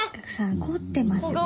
凝ってます。